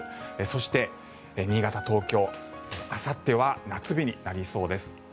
そして、新潟、東京あさっては夏日になりそうです。